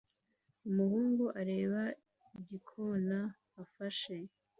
Umuhungu areba igikona afashe